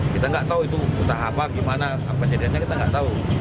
kita nggak tahu itu entah apa gimana apa jadiannya kita nggak tahu